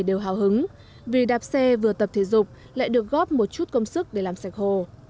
đều hào hứng vì đạp xe vừa tập thể dục lại được góp một chút công sức để làm sạch hồ